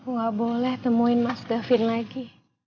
gak boleh temuin mas gavin lagi